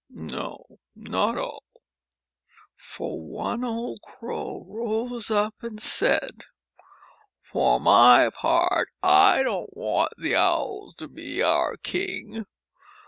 No, not all, for one old Crow rose up and said, "For my part, I don't want the Owl to be our king.